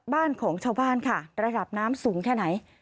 บ้านของชาวบ้านค่ะระดับน้ำสูงแค่ไหน